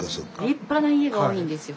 立派な家が多いんですよ